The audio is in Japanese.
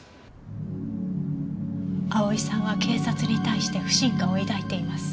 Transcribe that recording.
蒼さんは警察に対して不信感を抱いています。